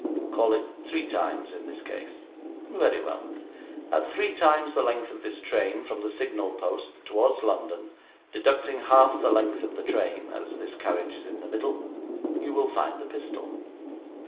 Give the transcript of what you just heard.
Call it three times in this case. Very well. At three times the length of this train from the signal post towards London, deducting half the length of the train, as this carriage is in the middle, you will find the pistol.'